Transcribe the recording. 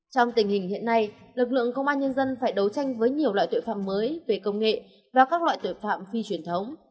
trong tình hình hiện nay lực lượng công an nhân dân phải đấu tranh với nhiều loại tội phạm mới về công nghệ và các loại tội phạm phi truyền thống